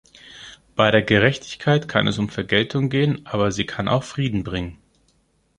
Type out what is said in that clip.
Bei der Gerechtigkeit kann es um Vergeltung gehen, aber sie kann auch Frieden bringen.